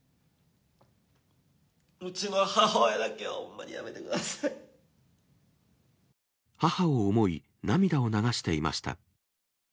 うちの母親だけはほんまにやめて母を思い、涙を流していました。